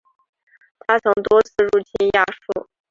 他曾多次入侵亚述。